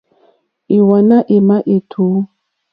Ìwàná émá ètǔ.